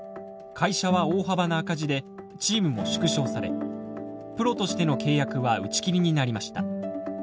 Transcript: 会社は大幅な赤字でチームも縮小されプロとしての契約は打ち切りになりました。